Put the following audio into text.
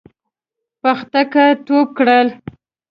پختکه ټوپ کړل.